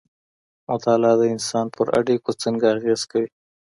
مطالعه د انسان پر اړيکو څنګه اغېز کوي؟